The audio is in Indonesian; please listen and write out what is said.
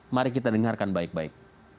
mari kita dengarkan baik baik